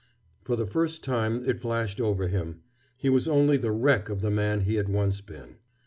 For the first time it flashed over him: he was only the wreck of the man he had once been.